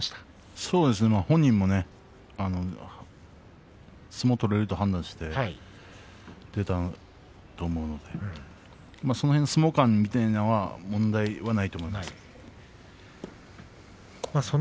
そうですね、本人も相撲を取れると判断して出たと思うので相撲勘みたいなものは問題ないと思います。